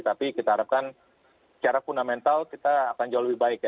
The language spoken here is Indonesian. tapi kita harapkan secara fundamental kita akan jauh lebih baik ya